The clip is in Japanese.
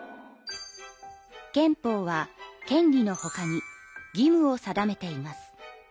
憲法は権利のほかに義務を定めています。